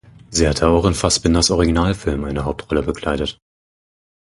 Sie hatte auch in Fassbinders Originalfilm eine Hauptrolle bekleidet.